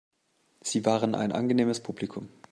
Sie waren ein angenehmes Publikum.